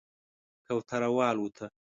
کوتره والوته